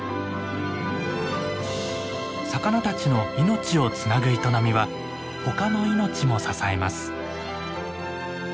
魚たちの命をつなぐ営みは他の命も支えます。